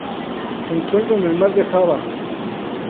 Se encuentra en el Mar de Java.